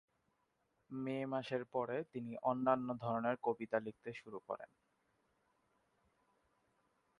মে মাসের পরে তিনি অন্যান্য ধরনের কবিতা লিখতে শুরু করেন।